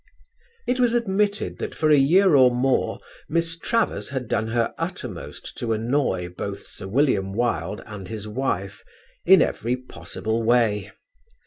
It was admitted that for a year or more Miss Travers had done her uttermost to annoy both Sir William Wilde and his wife in every possible way.